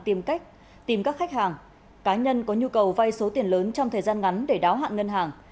tìm cách tìm các khách hàng cá nhân có nhu cầu vay số tiền lớn trong thời gian ngắn để đáo hạn ngân hàng